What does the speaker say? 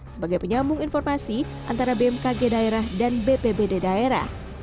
sebagai penyambung informasi antara bmkg daerah dan bpbd daerah